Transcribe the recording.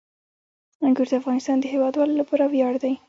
انګور د افغانستان د هیوادوالو لپاره ویاړ دی.